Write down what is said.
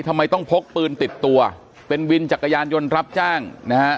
ทำไมต้องพกปืนติดตัวเป็นวินจักรยานยนต์รับจ้างนะฮะ